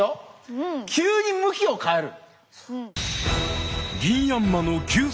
急に向きを変える。